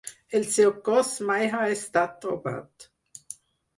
El seu cos mai ha estat trobat.